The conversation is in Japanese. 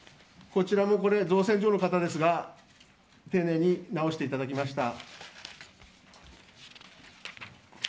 こちらも造船所の方にですが丁寧に直していただきました。